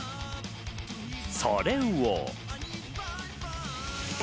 それを。